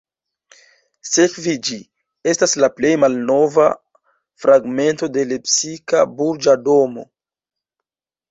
Sekve ĝi estas la plej malnova fragmento de lepsika burĝa domo.